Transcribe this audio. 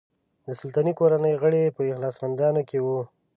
د سلطنتي کورنۍ غړي په اخلاصمندانو کې وو.